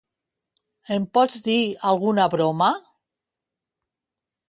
Em pots dir alguna broma?